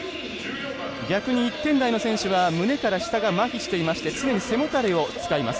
逆に１点台の選手は胸から下がまひしていまして常に背もたれを使います。